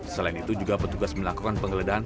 selain itu juga petugas melakukan penggeledahan